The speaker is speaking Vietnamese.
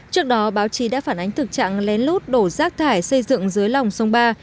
trước đó báo chí đã phản ánh thực trạng lén lút đổ rác thải xây dựng dưới lòng sông ba